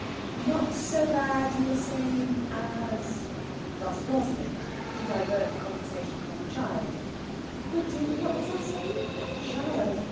_'" "Not so bad, you were saying, as...?" Thus Rosalind, to divert the conversation from the child. "Oh dear! What was I saying? That child!